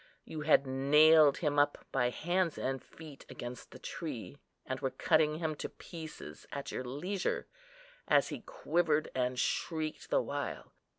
You had nailed him up by hands and feet against the tree, and were cutting him to pieces at your leisure, as he quivered and shrieked the while.